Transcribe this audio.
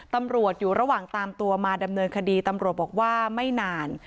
ตำรวจอยู่ระหว่างตามตัวมาดำเนินคดีตำรวจบอกว่าไม่นาน